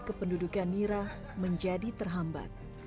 kependudukan nira menjadi terhambat